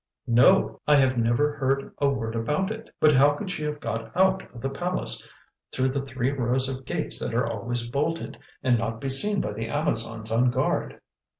"No, I have never heard a word about it. But how could she have got out of the palace, through the three rows of gates that are always bolted, and not be seen by the Amazons on guard?"